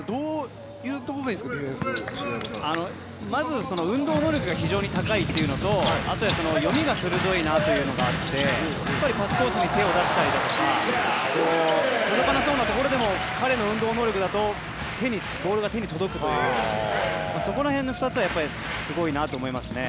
まず、運動能力がとても高いというのと読みが鋭いというのがあってパスコースに手を出したり届かなそうなところでも彼の運動能力だとボールが手に届くというのがそこら辺の２つはすごいなと思いますね。